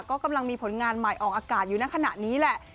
ก็กำลังมีผลงานใหม่ออกอากาศอยู่ในขณะนี้แหละ